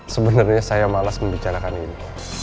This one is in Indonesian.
sebenarnya saya malas membicarakan ini